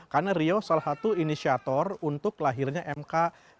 karena riau salah satu inisiator untuk lahirnya mk tiga puluh lima